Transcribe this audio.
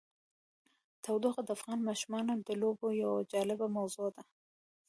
تودوخه د افغان ماشومانو د لوبو یوه جالبه موضوع ده.